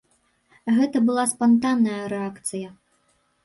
Гэта была спантанная рэакцыя.